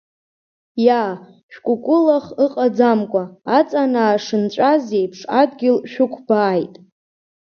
Иа шәкәакәылах ыҟаӡамкәа аҵанаа шынҵәаз еиԥш адгьыл шәықәбааит.